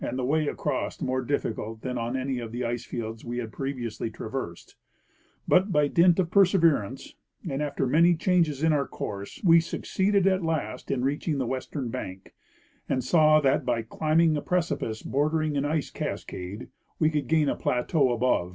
the way across more diflicult than on any of the ice fields we had previously traversed ; but by dint of persever ance, and after many changes in our course, we succeeded at last in reaching the western bank, and saw that by climbing a preci pice bordering an ice cascade we could gain a plateau above?